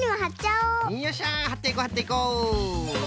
よっしゃはっていこうはっていこう。